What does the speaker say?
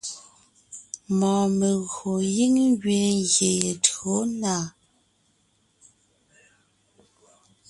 Mɔɔn megÿò giŋ ngẅiin ngyè ye tÿǒ na.